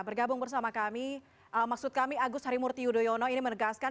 bergabung bersama kami maksud kami agus harimurti yudhoyono ini menegaskan